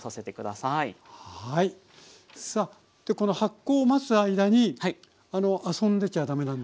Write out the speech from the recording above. さあでこの発酵を待つ間に遊んでちゃ駄目なんですよね？